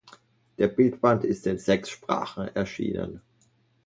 Der Bildband ist in sechs Sprachen erschienen.